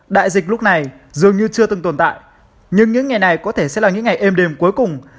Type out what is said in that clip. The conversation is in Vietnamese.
đại dịch lúc này dường như chưa từng tồn tại nhưng những ngày này có thể sẽ là những ngày êm đềm cuối cùng